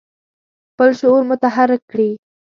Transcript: خپل شعور متحرک کړي.